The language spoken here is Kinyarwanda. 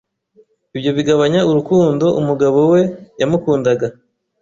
Ibyo bigabanya urukundo umugabo we yamukundaga,